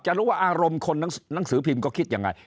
รู้ว่าอารมณ์คนหนังสือพิมพ์ก็คิดยังไง